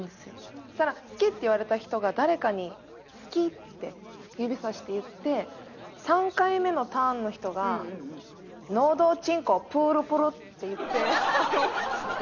そしたら「好き」って言われた人が誰かに「好き」って指さして言って３回目のターンの人が「のどちんこぷーるぷる」って言って。